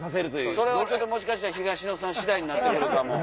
それはもしかしたら東野さん次第になって来るかも。